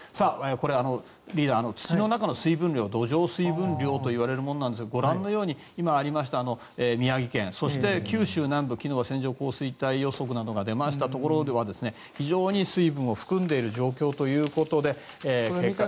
これは、リーダー土の中の水分量土壌水分量といわれるものですがご覧のように今ありました宮城県、そして九州南部昨日は線状降水帯予測が出たところでは非常に水分を含んでいる状況ということで。